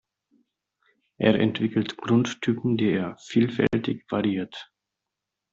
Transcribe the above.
Er entwickelt Grundtypen, die er vielfältig variiert.